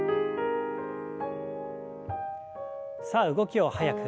さあ動きを早く。